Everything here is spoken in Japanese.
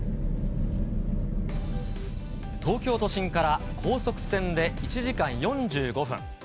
東京都心から高速船で１時間４５分。